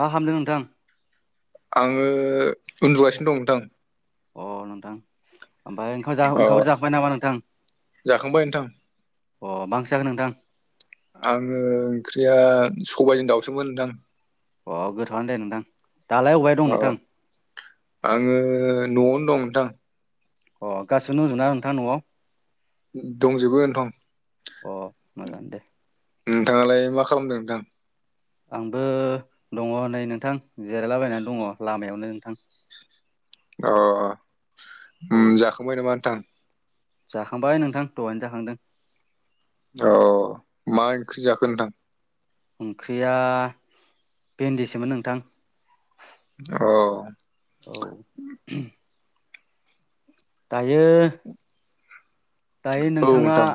मा खालामदों नोंथां? आङो उन्दुगासिनो दं नोंथां। अ नोंथां ओमफाय अ ओंखामफोर जांबाय नामा नोंथां जाखांबाय नोंथां अ बांसिननानो नोंथां। आङो ओंख्रिया सबायजों दाउजों मोन नोंथां। अ गोथावआनो दे नोंथां दालाय अबेहाय दं अ नोंथां। आङो न'आवनो दं नोंथां। अह गासिबो दंजोबोना नोंथां न'आव दंजोबो नोंथां अ मोजाङानो दे नोंथाङालाय मा खालामदों नोंथां। आंबो दङ नै नोंथां जिरायलाबायनानै दङ लामायावनो नोंथां। अ औ जाखांबाय नामा नोंथां? जाखांबाय नोंथां दहायनो जाखांदों। अ मा ओंख्रि जाखो नोंथां? ओंख्रिया भेन्दिसोमोन नोंथां। अ। औ। औ। दायो। दायो नोंथाङा नोंथां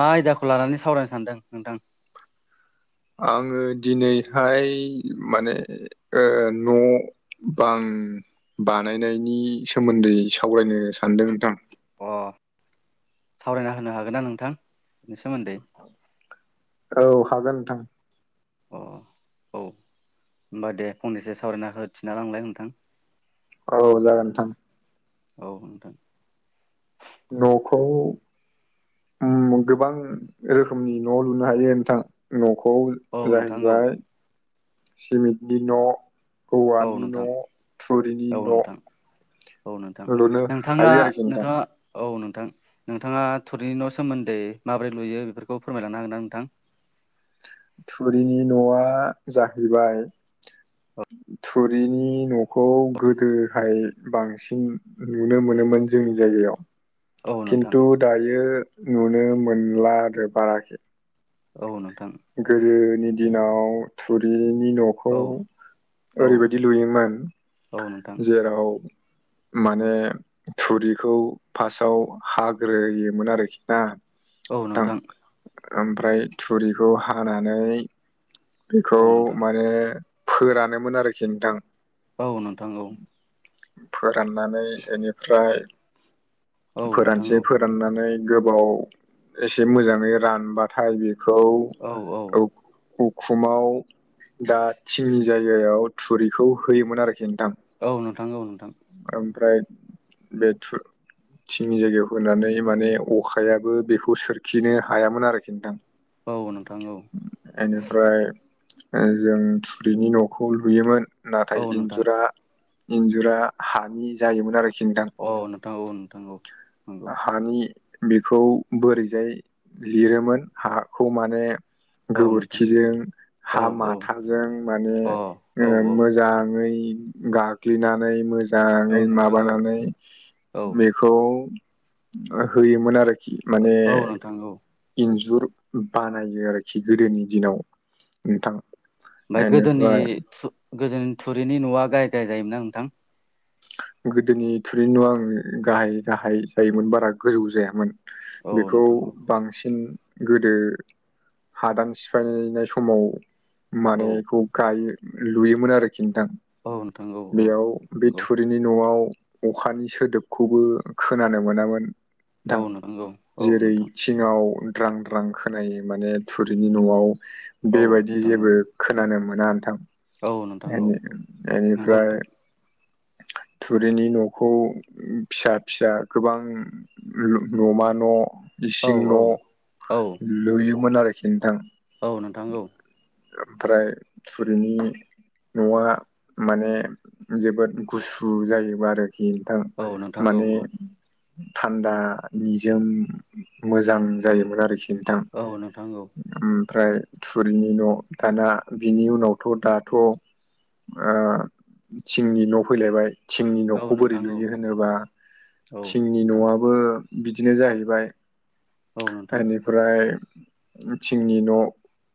मा आयदाखौ लानानै सावरायनो सानदों नोंथां। आङो दिनैहाय माने ओ न' बां बानायनायनि सोमोन्दै सावरायनो सानदों नोंथां। अ सावरायना होनो हागोन ना नोंथां बेनि सोमोन्दै। औ हागोन नोंथां। अ औ होनोमबा दे फंनैसो सावरायना हो थिना लांलाय नोंथां। औ जागोन नोंथां। औ नोंथां। न'खौ। आम गोबां रोखोमनि न' लुनो हायो नोंथां न'खौ औ नोंथां जाहैबाय औ सिमेन्टनि न' औ औवानि नोंथां न' थुरिनि औ न' नोंथां औ नोंथां लुनो नोंथाङा हायो आरोखि नोंथां नोंथाङा औ नोंथां नोंथाङा थुरिनि न' सोमोन्दै माबोरै लुयो बेफोरखौ फोरमायलांनो हागोन ना नोंथां? थुरिनि न'आ जाहैबाय थुरिनि न'खौ गोदोहाय बांसिन नुनो मोनोमोन जोंनि जायगायाव नोंथां खिन्थु दायो नुनो मोनला आरो बाराखै औ नोंथां। गोदोनि दिनाव थुरिनि न' खौ औ औ ओरैबायदि लुयोमोन औ नोंथां जेराव माने थुरिखौ फार्स्टआव हाग्रोयोमोन आरोखि दा नोंथां ओमफ्राय थुरि बेखौ हानानै बेखौ औ नोंथां माने फोरानोमोन आरोखि नोंथां। बावनो थांगौ। फोराननानै बेनिफ्राय औ नोंथां फोरानसै औ फोर राननानै गोबाव एसे मोजाङै रानबाथाय बेखौ औ औ। खुमाव दा थिंनि जायगायाव थुरिखौ होयोमोन आरोखि नोंथां। औ नोंथां औ नोंथां। ओमफ्राय बेथु थिंनि जायगायाव होनानै माने अखायाबो बेखौ सोरखिनो हायामोन आरोखि नोंथां औ नोंथां औ बेनिफ्राय जों थुरिनि न'खौ लुयोमोन नाथाय इन्जुरा इन्जुरा हानि जायोमोन आरोखि नोंथां अ नोंथां औ नोंथां औ नंगौ हानि बेखौ बोरैजाय लिरोमोन हाखौ माने औ नोंथां गोबोरखिजों औ हा औ माथाजों माने अ औ मोजाङै गाग्लिनानै औ मोजाङै नोंथां औ माबानानै औ बे खौ होयोमोन आरोखि माने नोंथां औ इन्जुर बानायो आरोखि गोदोनि दिनाव नोंथां ओमफ्राय गोदोनि बेनिफ्राय गोदोनि थुरिनि न'आ गाहाय गाहाय जायोमोना नोंथां गोदोनि थुरिनि न' आं गाहाय गाहाय जायोमोन बारा गोजौ जायामोन नोंथां औ बेखौ नोंथां औ बांसिन गोदो हादान सिफायनाय समाव औ माने बेखौ गायो लुयोमोन आरोखि नोंथां औ नोंथां औ औ बेयाव बे थु रिनि न'आव अखानि सोदोबखौबो खोनानो मोनामोन थां नंगौ औ जेरै नोंथां थिङाव द्रां द्रां खोनायो माने थुरिनि न'आव औ बेबायदि नोंथां जेबो खोनानो मोना नोंथां औ नोंथां औ नोंथां औ नंगौ बेनिफ्राय नोंथां थुरिनि न'खौ फिसा फिसा गोबां न'मा न' औ इसिं औ न' औ लुयोमोन आरोखि नोंथां औ नोंथां औ ओमफ्राय थुरिनि न'आ माने जोबोद गुसु जायोबो आरोखि नोंथां औ नोंथां औ माने थानदानि जोम मोजां जायोमोन आरोखि नोंथां औ नोंथां औ नोंथां औ ओमफ्राय थुरिनि न' दाना बिनि उनावथ' दाथ' आ थिंनि न' फैलायबाय थिंनि औ न'खौ बोरै नोंथां लुयो होनोबा थिंनि न'आबो बिदिनो जाहैबाय औ नोंथां आरो बे ओमफ्राय थिंनि न'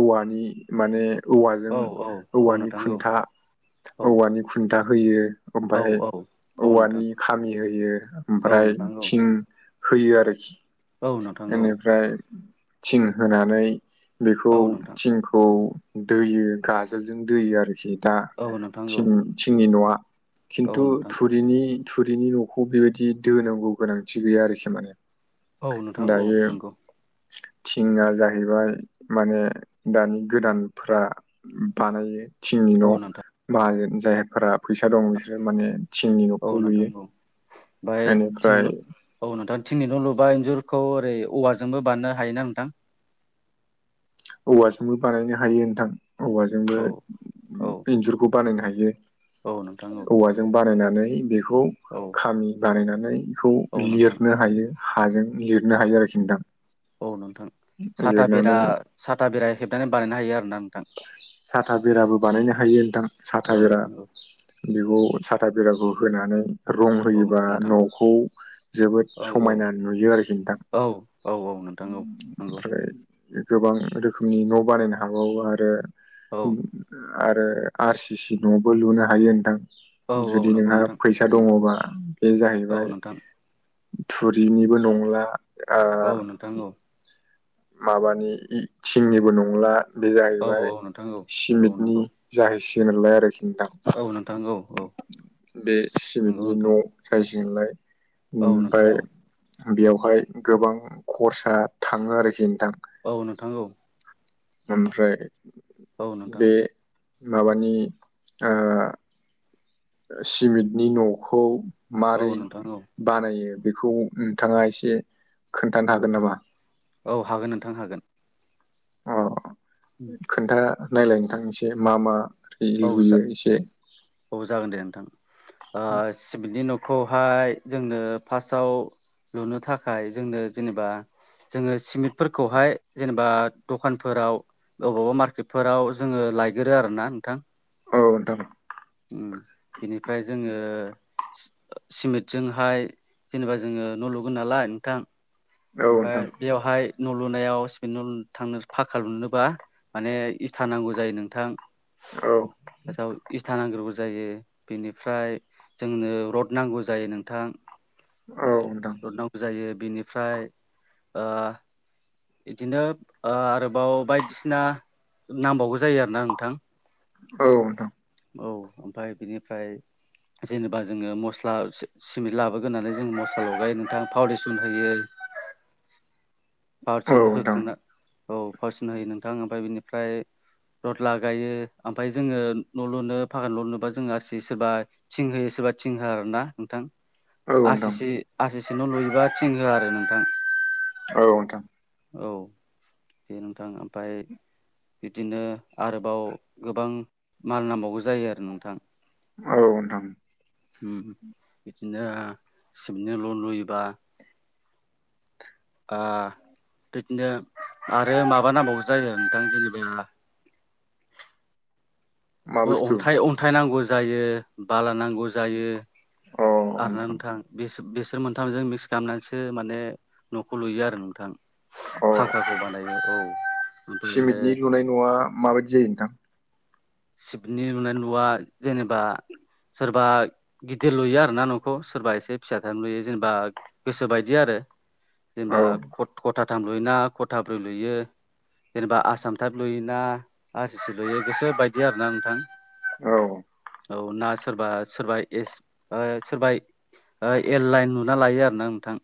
औवानि माने औवाजों औ औ नोंथां औ खुनथा औ औवानि खुनथा होयो औ ओमफ्राय औ नोंथां औवानि खामि होयो औ ओमफ्राय नोंथां औ थिं होयो आरोखि औ नोंथां औ बेनिफ्राय थिं होनानै बेखौ औ नोंथां औ औ नोंथां थिंखौ दोयो गाजोलजों दोयो आरोखि दा थिंनि न'आ औ खिनथु नोंथां थुरिनि थुरिनि न'खौ बेबायदि दोनांगौ गोनांथि गैया आरोखि माने औ नोंथां औ दायो नंगौ थिङा जाहैबाय माने दानि गोदानफ बानायो थिंनि औ न' नोंथां मा होनो जायफोरा फैसा दं बिसोरो माने थिंनि औ न'खौ नोंथां लुयो औ ओमफ्राय थिं बेनिफ्राय औ नोंथां थिंनि न' लुबा इन्जुरखौ ओरै औवाजोंबो बारनो हायोना नोंथां औवाजोंबो बानायनो हायो नोंथां औवाजोंबो औ औ इनजुरखौ बानायनो हायो औ नोंथां औ औवाजों बानायनानै बेखौ औ खामि बानायनानै बेखौ औ नोंथां लिरनो हायो हाजों लिरनो हायो आरोखि नोंथां औ नोंथां साथा बेरा लिरनानै साथा बेरा हेबनानै बानायनो हायो आरोोना नोंथां साथा बेराबो बानायनो हायो नोंथां औ साथा बेरा नोंथां बेखौ साथा बेराखौ होनानै रं औ औ होयोबा नोंथां न'खौ जोबोद औ समायना नुयो आरोखि नोंथां। औ औ औ नोंथां औ नंगौ। ओमफ्राय गोबां रोखोमनि न' बानायनो हाबावो आरो औ आरो आर सि सि न'बो लुनो हायो नोंथां। औ औ जुदि नंगौ नोंहा नोंथां फैसा हायो दङबा बे औ जाहैबाय नोंथां थुरिनिबो नंला ओ औ नोंथां औ। माबानि थिंनिबो नंला बे औ जाहैबाय औ नोंथां औ औ सिमेन्टनि नंगौ जाहैसिगोन नलाय आरोखि दां औ नोंथां औ औ बे नंगौ सिमेटनि नोंथां न' साइजलाय [unintelligible] औ नोंथां ओमफ्राय औ बेयावहाय गोबां खरसा थाङो आरोखि नोंथां। औ नोंथां औ। ओमफ्राय औ नोंथां बे माबानि ओ सिमेन्टनि न'खौ औ मारै? नोंथां औ बानायो बेखौ नोंथाङा एसे खोनथानो हागोन नामा? औ हागोन नोंथां हागोन। अ खोन्थानालायनो थां एसे मा मा औ जा लुयो एसे? औ जागोन दे नोंथां ओ सिबिटनि न'खौहाय जोंनो फार्स्टआव लुनो थाखाय जोंनो जेनेबा जोङो सिमेन्टफोरखौहाय जेनेबा दखानफोराव अबावबा मार्केटफोराव जोङो लायगोरो आरो ना नोंथां। औ नोंथां। बिनिफ्राय जोङो सिमेन्टजोंहाय जेनेबा जोङो न' लुगोन नालाय नोंथां। औ ओमफ्राय नोंथां बेवहाय न' लुनायाव सिपि न' ल थांनो फाखा लुनोबा माने इथा नांगौ जायो नोंथां। औ दा इथा नांग्रोगौ जायो बेनिफ्राय जोंनो रड नांगौ जायो नोंथां। औ नोंथां। रड नांगौ जायो बिनिफ्राय ओ बिदिनो ओ आरोबाव बायदिसिना नांबावगौ जायो आरोना नोंथां। औ नोंथां। औ ओमफ्राय बिनिफ्राय जेनेबा जोङो मस्ला सिमेन्ट लाबोगोनानै जों मस्ला लगायो नोंथां फाउन्डेसन होयो। औ नोंथां औ पारसन नोंथां होगोन औ पारसन होयो नोंथां ओमफ्राय बिनिफ्राय रड लागायो ओमफ्राय जोङो न' लुनो फागान ल' लुनोबा जोङो आसि सोरबा थिं होयो सोरबा थिं होआ आरो ना। नोंथां औ आरसिसि न' लुयोबा थिं होआ आरो नोंथां। औ नोंथां। औ दे नोंथां ओमफ्राय बिदिनो आरोबाव गोबां माल नांबावगौ जायो आरो नोंथां। औ नोंथां। उम बिदिनो सिमपुल न' लुयोबा ओ बिदिनो आरो माबा नांबावो जायो नोंथां जेनेबा मा बुस्थु अन्थाइ अन्थाइ नांगौ जायो बाला नांगौ जायो। आरो ना नोंथां बिसोर मोनथामजों मिक्स खालामनानैसो माने न'खौ लुयो आरो नोंथां। अ फाखाखौ बानायो औ ओमफ्राय आरो सिमेन्टनि लुनाय न'आ माबायदि जायो नोंथां सिमेन्ट नि लुनाय न'आ जेनेबा सोरबा गिदिर लुयो आरो ना न'खौ सोरबा एसे फिसा थानो लुयो जेनेबा गोसो बायदि आरो औ जेनेबा खथाथाम लुयोना खथाब्रै लुयो जेनेबा आसाम टाब लुयोना आर सि सि लुयो गोसो बायदि आरोना नोंथां औ औ ना सोरबा सोरबा ए सोरबा एल लाइन नुना लायो आरो ना नोंथां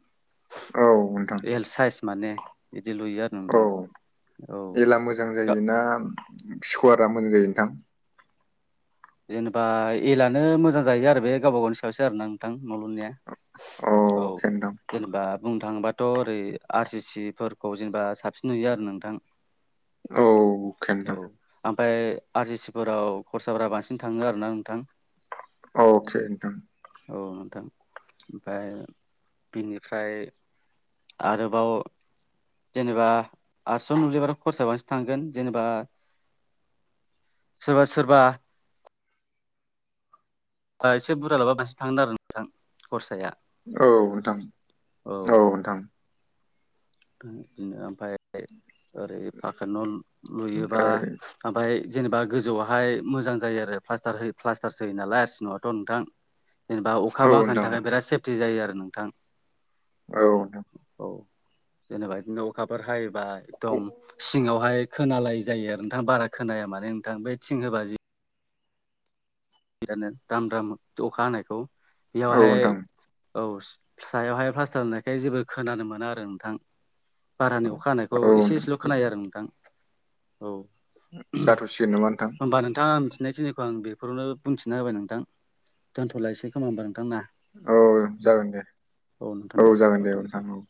औ नोंथां एल साइज माने बिदि लुयो आरो औ नोंथां औ एला मोजां जायोना इसकुवारा मोजां जायो नोंथां जेनेबा एलानो मोजां जाहैयो आरो बे गावबा गावनि सायावसै आरो ना नोंथां न'लुनाया औ अके नोंथां जेनेबा बुंनो थाङोबाथ' ओरै आर सि सि फोरखौ जेनेबा साबसिन नुयो आरो नोंथां अके नोंथां औ ओमफ्राय आर सि सि फोराव खरसाफोरा बांसिन थाङो आरो ना नोंथां औके नोंथां औ नोंथां ओमफ्राय बिनिफ्राय आरोबाव जेनेबा आठस' नुबयोबाथ' खरसा बांसिन थांगोन जेनेबा सोरबा सोरबा दा एसे बुरजा लाबा बांसिन थांदों आरो नोंथां खरसाया औ नोंथां औ बिदिनो ओमफ्राय ओरै फाखा न' लुयोबा ओमफ्राय ओमफ्राय जेनेबा गोजौआवहाय मोजां जायो आरो प्लास्टार हो प्लास्टारसो होयो नालाय आरसि न'यावथ' नोंथां जेनेबा अखा औ बांखानि नोंथां थाखाय बिराद सेफटि जायो आरो नोंथां औ नोंथां औ जेनेबा बिदिनो अखाफोर हायोबा एकदम सिङावहाय खोनालाय जायो आरो नोंथां बारा खोनाया माने नोंथां बे थिं होबा जि बिनो दाम दाम अखा हानायखौ औ बेयावहाय नोंथां औ सायावहाय प्लास्टार होननायखाय जेबो खोनानो मोना आरो नोंथां भारानि अखा हानायखौ औ एसे नोंथां एसेल' खोनायो आरो नोंथां औ जाथ'सिगोन नामा नोंथां होमबा नोंथाङा मिथिनाय थिनायखौ अ आं बेखौनो बुंथिना होबाय नोंथां दोनथ'लाायसै खोमा होमबा नोंथां ना औ जागोन दे औ जागोन दे औ नोंथां औ